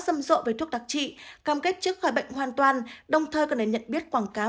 râm rộ về thuốc đặc trị cam kết chứa khỏi bệnh hoàn toàn đồng thời cần để nhận biết quảng cáo